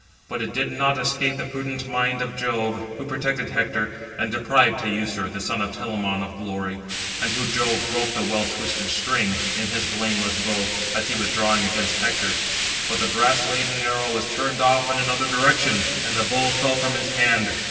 But it did not escape the prudent mind of Jove, who protected Hector, and deprived Teucer, the son of Telamon, of glory; and who (Jove) broke the well twisted string, in his blameless bow, as he was drawing against [Hector]; but the brass laden arrow was turned off in another direction, and the bow fell from his hand.